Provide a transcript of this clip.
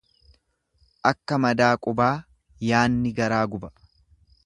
Akka madaa qubaa yaanni garaa guba.